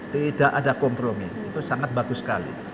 tidak ada kompromi itu sangat bagus sekali